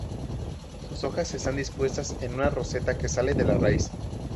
Sus hojas están dispuestas en una roseta que sale de la raíz.